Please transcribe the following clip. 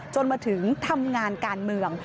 จนมาถึงทำงานการเมือง